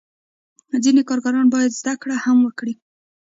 ځینې کارګران باید زده کړه هم وکړي.